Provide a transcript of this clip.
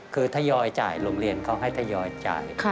คือทยอยจ่ายโรงเรียนเขาให้ทยอยจ่าย